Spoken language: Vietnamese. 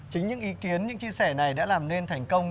chính những ý kiến những chia sẻ này đã làm nên thành công